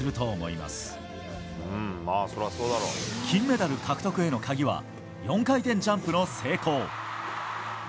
金メダル獲得への鍵は４回転ジャンプの成功。